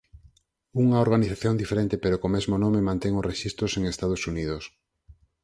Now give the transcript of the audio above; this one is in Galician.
Unha organización diferente pero co mesmo nome mantén os rexistros en Estados Unidos.